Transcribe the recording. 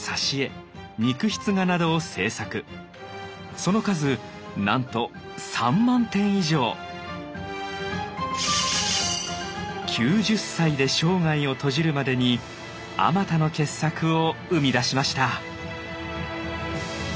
その数なんと９０歳で生涯を閉じるまでにあまたの傑作を生み出しました。